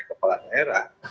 sebagai kepala daerah